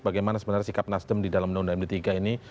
bagaimana sebenarnya sikap nasdem di dalam undang undang md tiga ini